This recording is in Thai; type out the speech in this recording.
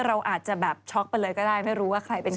เราอาจจะแบบช็อกไปเลยก็ได้ไม่รู้ว่าใครเป็นใคร